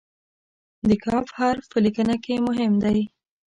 د "ک" حرف په لیکنه کې مهم دی.